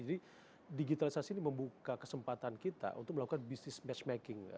jadi digitalisasi ini membuka kesempatan kita untuk melakukan bisnis matchmaking